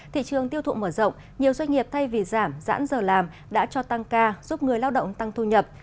thị trường tiêu thụ mở rộng nhiều doanh nghiệp thay vì giảm giãn giờ làm đã cho tăng ca giúp người lao động tăng thu nhập